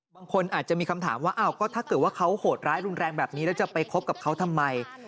บางคนอาจจะมีคำถามว่าอ้าวก็ถ้าเกิดว่าเขาโหดร้ายรุนแรงแบบนี้แล้วจะไปคบกับเขาทำไม